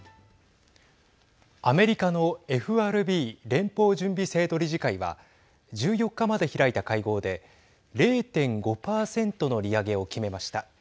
アメリカのＦＲＢ＝連邦準備制度理事会は１４日まで開いた会合で０．５％の利上げを決めました。